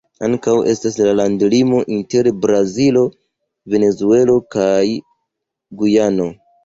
Ankaŭ estas la landlimo inter Brazilo, Venezuelo kaj Gujano.